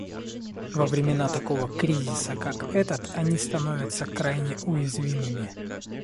Во времена такого кризиса, как этот, они становятся крайне уязвимыми.